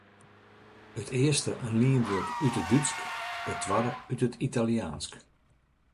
It earste in lienwurd út it Dútsk, it twadde út it Italiaansk.